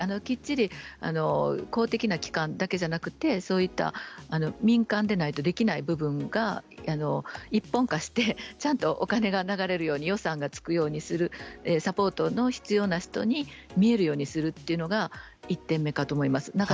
きっちり公的な機関だけではなくそういった民間ではない民間でだけできない部分が一本化してちゃんとお金が流れるように予算がつくようにするサポートが必要な人に見えるようにするというのが１点目だと思います。